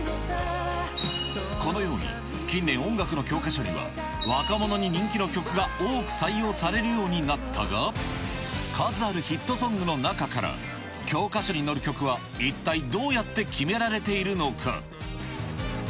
このように、近年、音楽の教科書には、若者に人気の曲が多く採用されるようになったが、数あるヒットソングの中から、教科書に載る曲は一体どうやって決められているのか？